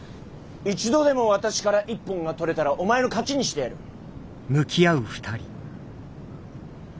一度でも私から一本が取れたらお前の勝ちにしてやる。